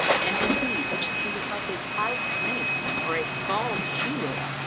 And indeed she was like a pied snake or a scald she wolf.